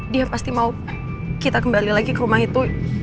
dia pasti mau kita kembali lagi ke rumah itu